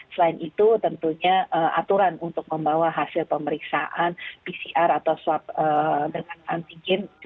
selain itu tentunya aturan untuk membawa hasil pemeriksaan pcr atau swab dengan antigen